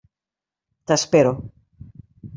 T'espero.